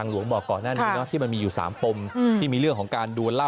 ในวันเกิดเหตุเนี่ยเป็นสามกลุ่มเนี่ยคุณวิสุทธน์น่ะคลุมหนึ่ง